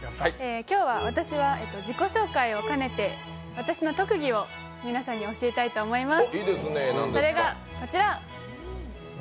今日は私は自己紹介を兼ねて、私の特技を皆さんに教えたいと思います。